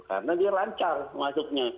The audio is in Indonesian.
karena dia lancar masuknya